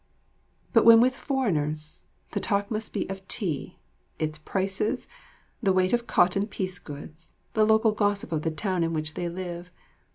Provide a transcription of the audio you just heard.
But when with foreigners, the talk must be of tea, its prices, the weight of cotton piece goods, the local gossip of the town in which they live.